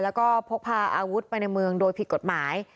แล้วก็พกพาอาวุธไปในเมืองโดยผิดกฎหมาย